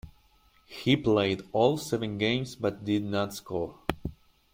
He played all seven games but did not score.